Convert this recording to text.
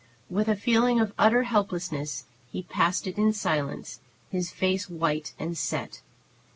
With a feeling of utter helplessness he passed it in silence, his face white and set.